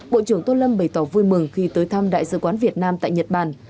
bộ trưởng tô lâm bày tỏ vui mừng khi tới thăm đại sứ quán việt nam tại nhật bản